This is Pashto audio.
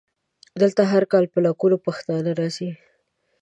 دلته هر کال په لکونو پښتانه راځي.